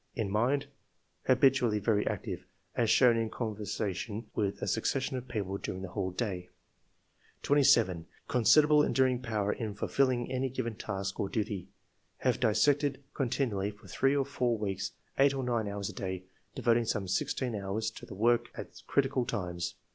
In mind — Habitually very active, as shown in con versation with a succession of people during the whole day." 27. Considerable enduring power in fulfilling any given task or duty ; have dissected con tinually for three or four weeks eight or nine hours a day, devoting some sixteen hours to the work at critical times.